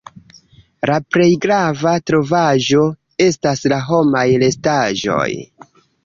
La plej grava trovaĵo estas la homaj restaĵoj.